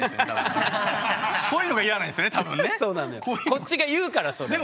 こっちが言うからそれ。